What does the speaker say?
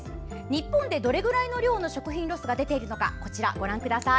日本でどれぐらいの量の食品ロスが出ているのか、こちら。